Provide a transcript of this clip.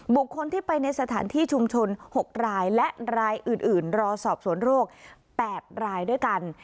บุคคลที่ไปในสถานที่ชุมชน๖รายและรายอื่นรอสอบสวนโรค๘รายด้วยกัน